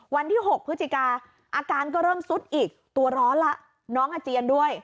วันที่๖พฤศจิกาอาการก็เริ่มซุดอีกตัวร้อนละน้องอาเจียนด้วย